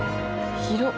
広っ！